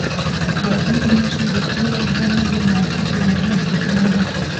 بادي انرژي د ټولو افغانانو د معیشت یوه مهمه سرچینه ده.